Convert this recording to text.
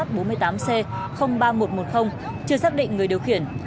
xe tải viện kiểm soát bốn mươi tám c ba nghìn một trăm một mươi chưa xác định người điều khiển